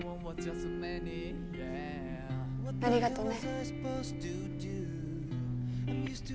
ありがとね。